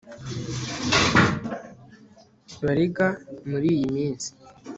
Bariga muriyi minsi